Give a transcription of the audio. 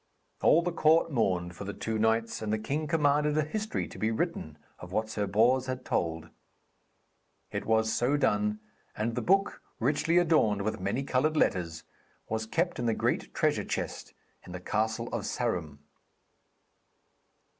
All the court mourned for the two knights, and the king commanded a history to be written of what Sir Bors had told. It was so done, and the book richly adorned with many coloured letters, was kept in the great treasure chest in the castle of Sarum.